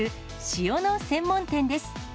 塩の専門店です。